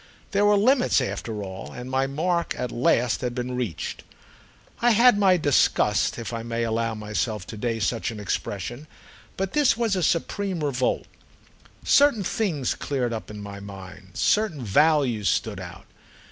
There were limits after all, and my mark at last had been reached. I had had my disgusts, if I may allow myself to day such an expression; but this was a supreme revolt. Certain things cleared up in my mind, certain values stood out.